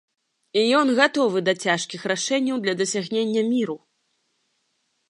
Ён гатовы да цяжкіх рашэнняў для дасягнення міру.